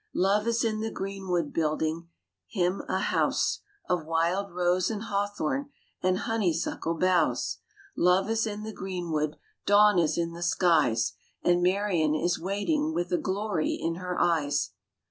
Love is in the greenwood building him a house Of wild rose and hawthorn and honeysuckle boughs: Love is in the greenwood: dawn is in the skies; And Marian is waiting with a glory in her eyes.